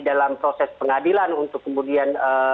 dalam proses pengadilan untuk kemudian